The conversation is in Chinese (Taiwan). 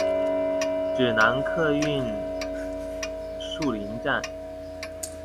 指南客運樹林站